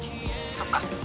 「そっか。